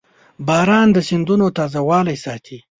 • باران د سیندونو تازهوالی ساتي.